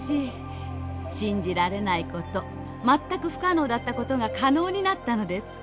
信じられない事全く不可能だった事が可能になったのです。